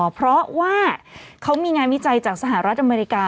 เพราะว่าเขามีงานวิจัยจากสหรัฐอเมริกา